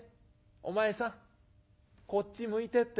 お前さんこっち向いてって。